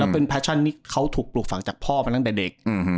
เป็นแฟชั่นที่เขาถูกปลูกฝังจากพ่อมาตั้งแต่เด็ก